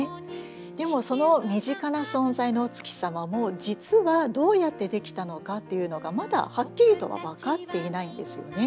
でもその身近な存在のお月様も実はどうやってできたのかっていうのがまだはっきりとは分かっていないんですよね。